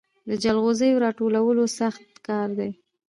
د جلغوزیو راټولول سخت کار دی